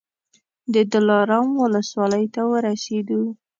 د دلارام ولسوالۍ ته ورسېدو.